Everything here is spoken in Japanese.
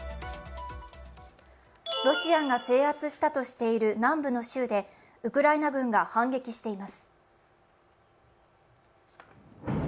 ロシアが制圧したとしている南部の州で、ウクライナ軍が反撃しています。